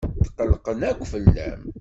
Tqellqen akk fell-am.